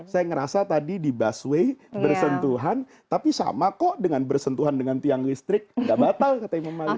saya merasa tadi di busway bersentuhan tapi sama kok dengan bersentuhan dengan tiang listrik tidak batal kata imam malik